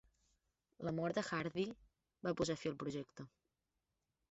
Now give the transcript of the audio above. La mort de Hardy va posar fi al projecte.